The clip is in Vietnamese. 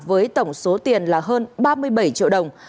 với tổng số tiền là hơn ba mươi bảy triệu đồng